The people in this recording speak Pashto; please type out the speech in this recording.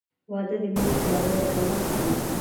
• واده د مینې پیاوړی کول دي.